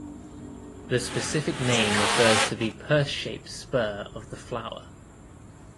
The specific name refers to the purse-shape spur of the flower.